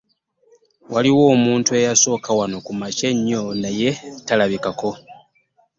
Waaliwo omuntu eyasooka wano kumakya ennyo naye talabikako.